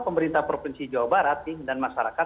pemerintah provinsi jawa barat dan masyarakat